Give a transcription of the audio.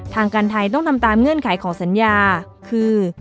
ทางการไทยต้องทำตามเงื่อนไขของสัญญาคือ